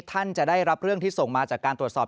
ท่านจะได้รับเรื่องที่ส่งมาจากการตรวจสอบ